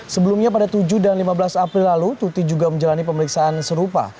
sebelumnya pada tujuh dan lima belas april lalu tuti juga menjalani pemeriksaan serupa